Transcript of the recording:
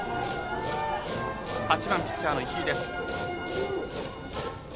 ８番ピッチャーの石井です。